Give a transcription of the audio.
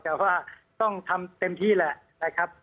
แต่ว่าต้องทำเต็มที่แหละ